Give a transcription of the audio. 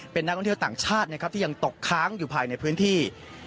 เป็นนักท่องเที่ยวต่างชาตินะครับที่ยังตกค้างอยู่ภายในพื้นที่